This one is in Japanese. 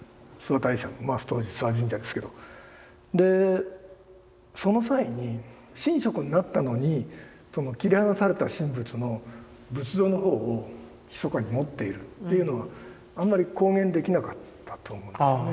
諏訪大社のまあ当時諏訪神社ですけどでその際に神職になったのに切り離された神仏の仏像の方をひそかに持っているっていうのはあんまり公言できなかったと思うんですよね。